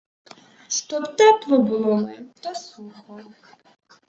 Щоб тепло було ми та сухо.